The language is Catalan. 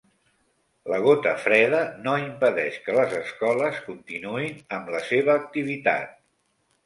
La gota freda no impedeix que les escoles continuïn amb la seva activitat